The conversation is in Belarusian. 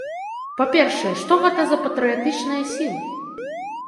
Па-першае, што гэта за патрыятычныя сіла?